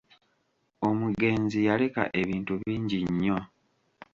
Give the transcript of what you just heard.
Omugenzi yaleka ebintu bingi nnyo.